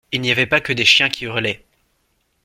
Il n’y avait pas que des chiens qui hurlaient.